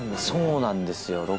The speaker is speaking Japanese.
そうなんですよ